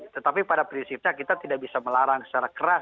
tetapi pada prinsipnya kita tidak bisa melarang secara keras